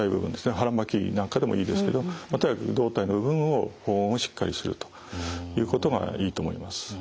腹巻きなんかでもいいですけどとにかく胴体の部分を保温をしっかりするということがいいと思います。